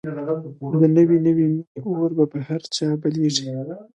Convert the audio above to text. د نوې نوې مینې اور به په هر چا بلېږي